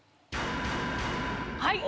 はい。